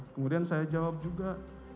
kemudian saya jawab juga